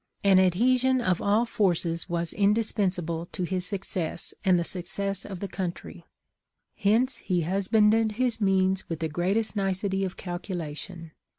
" An adhesion of all forces was indispensable to his success and the success of the country ; hence he husbanded his means with the greatest nicety of calculation.